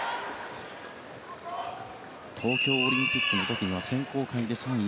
東京オリンピックの時には選考会で３位。